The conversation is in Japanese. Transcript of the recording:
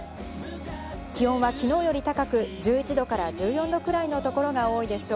気温はきのうより高く１１度から１４度くらいのところが多いでしょう。